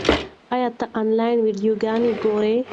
ایا ته آنلاین ویډیوګانې ګورې؟